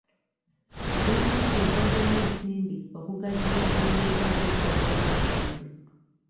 Gavumenti etaddemu ensimbi okugaziya obuweereza bw'ensoma eri abantu.